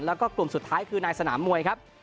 แล้วก็กลุ่มสุดท้ายคือในสนามมวยครับ